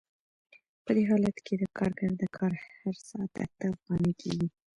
په دې حالت کې د کارګر د کار هر ساعت اته افغانۍ کېږي